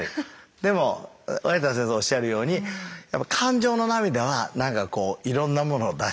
でも有田先生おっしゃるように感情の涙はなんかこういろんなものを出して。